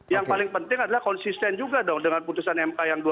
yang paling penting adalah konsisten juga dong dengan putusan mk yang dua ribu